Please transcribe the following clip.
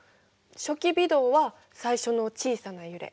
初期微動は最初の小さな揺れ。